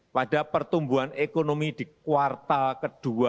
pada pertumbuhan ekonomi di kuartal dua dua ribu dua puluh satu